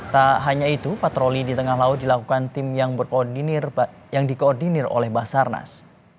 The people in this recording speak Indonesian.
tak hanya itu patroli di tengah laut dilakukan tim yang dikoordinir oleh basarnas